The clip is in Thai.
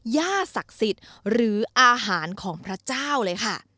ย่าศักดิ์สิทธิ์หรืออาหารของพระเจ้าเลยค่ะ